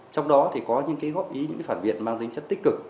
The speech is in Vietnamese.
trong đó thì có những góp ý những phản biệt mang tính chất tích cực